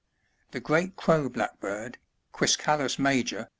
78. [The Great Crow Blackbird, — Quiscalus ma; or.